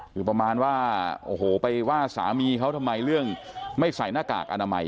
คือประมาณว่าโอ้โหไปว่าสามีเขาทำไมเรื่องไม่ใส่หน้ากากอนามัย